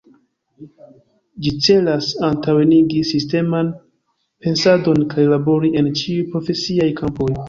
Ĝi celas antaŭenigi sisteman pensadon kaj labori en ĉiuj profesiaj kampoj.